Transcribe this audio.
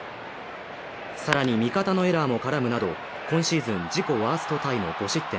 更に、味方のエラーも絡むなど今シーズンワーストタイの５失点。